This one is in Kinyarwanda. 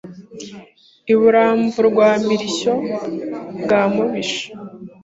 I Buramvurwamirishyo bwa Mubisha